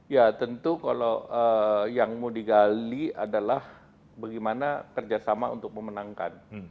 ya tentu kalau yang mau digali adalah bagaimana kerjasama untuk memenangkan